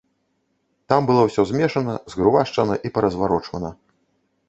Там было ўсё змешана, згрувашчана і паразварочвана.